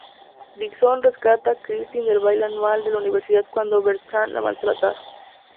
Dixon rescata a Christine del baile anual de la universidad cuando Bertrand la maltrata.